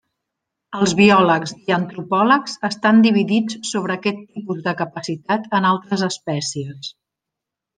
Els biòlegs i antropòlegs estan dividits sobre aquest tipus de capacitat en altres espècies.